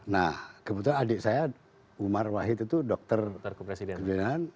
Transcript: nah kebetulan adik saya umar wahid itu dokter kepresidenan